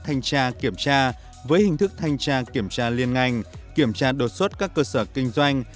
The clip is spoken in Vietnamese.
thanh tra kiểm tra với hình thức thanh tra kiểm tra liên ngành kiểm tra đột xuất các cơ sở kinh doanh